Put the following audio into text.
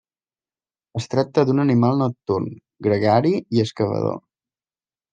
Es tracta d'un animal nocturn, gregari i excavador.